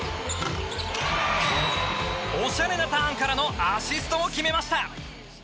おしゃれなターンからのアシストを決めました。